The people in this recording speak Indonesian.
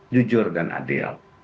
jujur dan adil